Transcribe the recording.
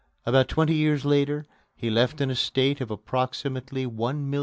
About twenty years later he left an estate of approximately $1,500,000.